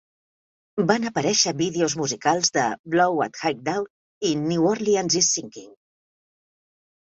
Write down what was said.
Van aparèixer vídeos musicals de "Blow at High Dough" i "New Orleans is Sinking".